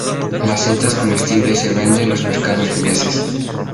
La seta es comestible y se vende los mercados fineses.